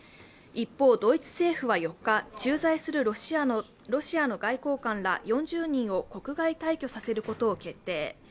一方、ドイツ政府は４日、駐在するロシアの外交官ら４０人を国外退去させることを決定。